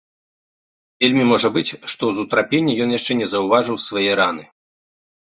Вельмі можа быць, што з утрапення ён яшчэ не заўважыў свае раны.